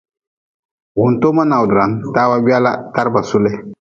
Wuntoma nawdran, tawa gwala, taraba suli.